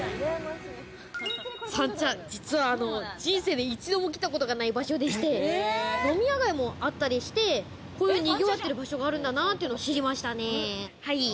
三茶、実は人生で一度も来たことがない場所でして、飲み屋街もあったりして、賑わってる場所があるんだなって知りましたね。